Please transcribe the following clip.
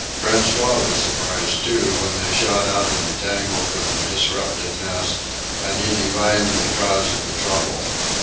François was surprised, too, when they shot out in a tangle from the disrupted nest and he divined the cause of the trouble.